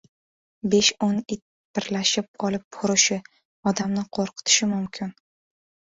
Besh-o‘n it birlashib olib hurishi, odamni qo‘rqitishi mumkin.